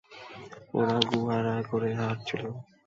ওরা গু হারা করে হারছিল।